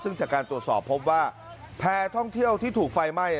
ซึ่งจากการตรวจสอบพบว่าแพร่ท่องเที่ยวที่ถูกไฟไหม้